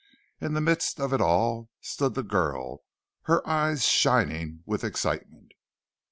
In the midst of it all stood the girl, her eyes shining with excitement.